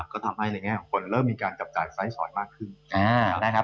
ก็ทำให้ในแง่ของคนเริ่มมีการจับจ่ายไซส์สอยมากขึ้นนะครับ